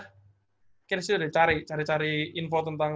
kayaknya disitu deh cari cari info tentang